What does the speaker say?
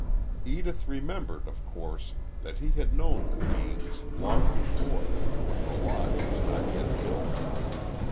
Edith remembered, of course, that he had known the Deanes, long before, when the Lodge was not yet built.